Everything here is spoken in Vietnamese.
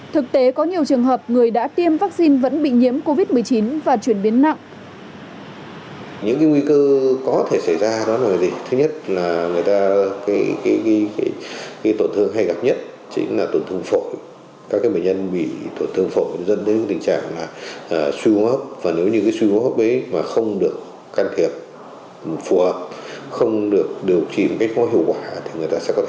thực tế có nhiều trường hợp người đã tiêm vaccine vẫn bị nhiễm covid một mươi chín và chuyển biến nặng